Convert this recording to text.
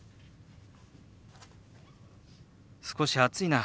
少し暑いな。